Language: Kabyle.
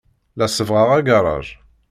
La sebbɣeɣ agaṛaj.